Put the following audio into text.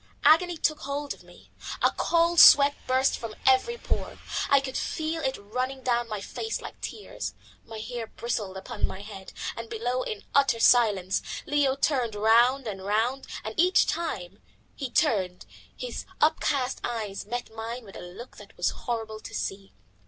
Agony took hold of me; a cold sweat burst from every pore. I could feel it running down my face like tears; my hair bristled upon my head. And below, in utter silence, Leo turned round and round, and each time he turned his up cast eyes met mine with a look that was horrible to see.